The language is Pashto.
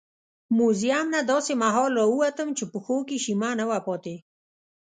موزیم نه داسې مهال راووتم چې پښو کې شیمه نه وه پاتې.